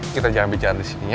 kita jangan bicara disini ya